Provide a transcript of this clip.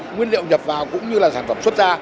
nguyên liệu nhập vào cũng như là sản phẩm xuất ra